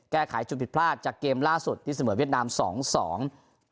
แก้ไขจุดผิดพลาดจากเกมล่าสุดที่เสมอเวียดนามสองสอง